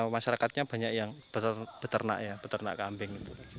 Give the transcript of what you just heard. masyarakatnya banyak yang beternak ya beternak kambing